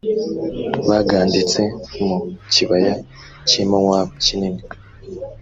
baganditse mu kibaya cy i mowabu kinini